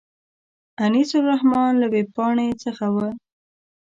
انیس الرحمن له وېبپاڼې څخه و.